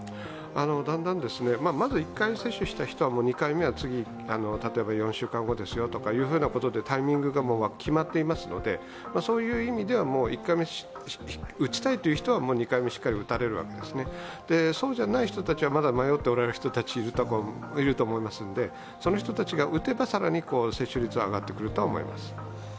だんだんまず１回目接種した人は、２回目は次４週間後ですよということでタイミングが決まっていますのでそういう意味では、１回目、打ちたいという人は２回目、しっかり打たれるわけですそうじゃない人たちは、まだ迷っておられる人たちいると思うんですけどその人たちが打てば更に接種率が上がってくると思います。